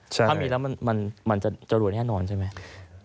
ทำนี้แล้วมันจะหล่วงแน่นอนใช่ไหม